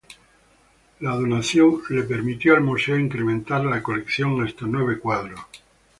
La donación le permitió al museo incrementar la colección hasta nueve cuadros.